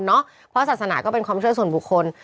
เพราะศาสนาก็เป็นความเชื่อส่วนบุคคล